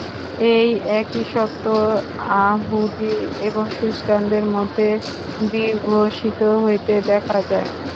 এই একই সত্য য়াহুদী এবং খ্রীষ্টানদের মধ্যেও বিঘোষিত হইতে দেখা যায়।